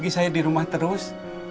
bagi saya di rumah terus